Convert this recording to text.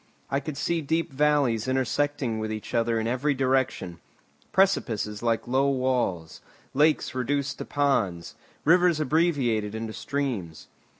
I could see deep valleys intersecting each other in every direction, precipices like low walls, lakes reduced to ponds, rivers abbreviated into streams.